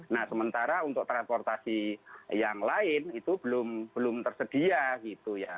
nah sementara untuk transportasi yang lain itu belum tersedia gitu ya